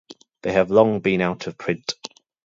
They have long been out of print.